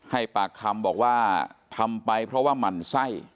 ให้ปากคำบอกว่าทำไปเพราะว่าหมั่นไส้